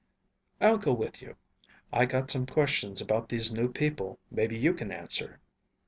"I'll go with you. I got some questions about these new people maybe you can answer."